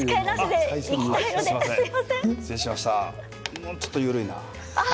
でもちょっと緩いな。